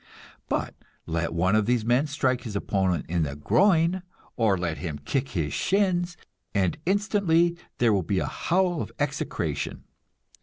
But let one of these men strike his opponent in the groin, or let him kick his shins, and instantly there will be a howl of execration.